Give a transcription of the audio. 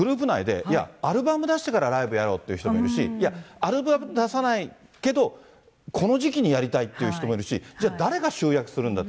グループ内で、いや、アルバム出してからライブやろうっていう人もいるし、アルバム出さないけど、この時期にやりたいって人もいるし、じゃあ、誰が集約するんだって。